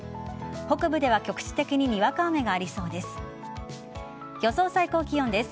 北部では局地的ににわか雨がありそうです。